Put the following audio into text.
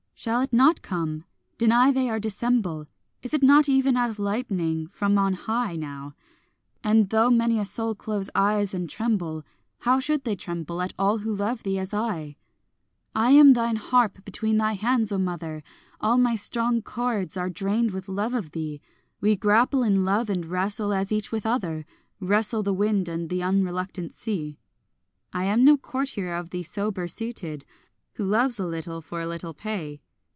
Shall it not come? deny they or dissemble, Is it not even as lightning from on high Now? and though many a soul close eyes and tremble, How should they tremble at all who love thee as I? I am thine harp between thine hands, O mother! All my strong chords are strained with love of thee. We grapple in love and wrestle, as each with other Wrestle the wind and the unreluctant sea. I am no courtier of thee sober suited, Who loves a little for a little pay.